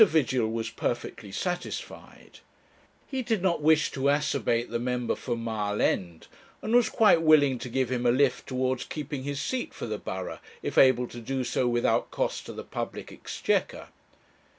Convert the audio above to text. Vigil was perfectly satisfied. He did not wish to acerbate the member for Mile End, and was quite willing to give him a lift towards keeping his seat for the borough, if able to do so without cost to the public exchequer.